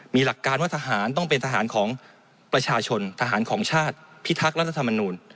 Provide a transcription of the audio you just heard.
มีหลักการว่าทหารต้องเป็นทหารของประชาชนทหารของชาติพิทักษ์รัฐธรรมนูล